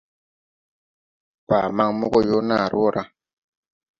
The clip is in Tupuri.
Baa maŋ mo gɔ yoo naare wɔ ra.